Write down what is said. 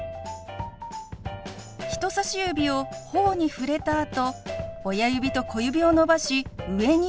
人さし指をほおに触れたあと親指と小指を伸ばし上に動かします。